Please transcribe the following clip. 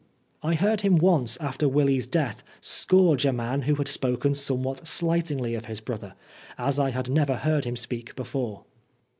I heard him once after Willy's death scourge a man who had spoken somewhat slightingly of his brother, as I had never heard him speak before.